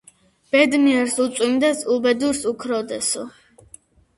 ბედნიერს უწვიმდეს, უბედურს-უქროდესო